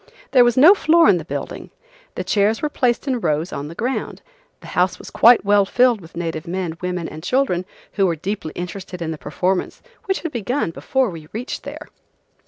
There was no floor in the building. The chairs were placed in rows on the ground. the house was quite well filled with native men, women and children who were deeply interested in the performance which had begun before we reached there.